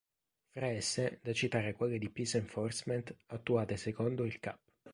Fra esse, da citare quelle di "peace enforcement", attuate secondo il cap.